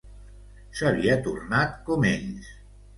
S’havia tornat com ells.